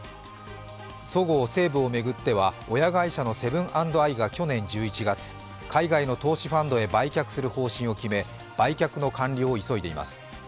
そごう・西武を巡っては親会社のセブン＆アイが去年１１月、海外の投資ファンドへ売却する方針を決め売却の完了を急いでいます。